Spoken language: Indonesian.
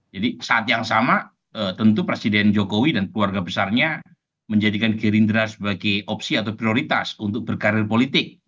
jadi saat yang sama tentu presiden jokowi dan keluarga besarnya menjadikan gerindra sebagai opsi atau prioritas untuk berkarir politik